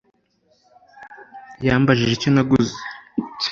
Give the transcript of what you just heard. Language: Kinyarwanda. Yambajije icyo naguze